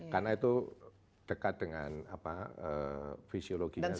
karena itu dekat dengan apa fisiologinya mirip manusia